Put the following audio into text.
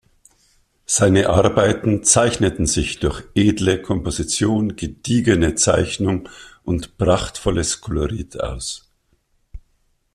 Seine Arbeiten zeichneten sich durch edle Komposition, gediegene Zeichnung und prachtvolles Kolorit aus.